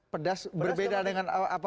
pedas berbeda dengan apa